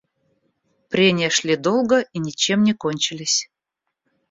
Прения шли долго и ничем не кончились.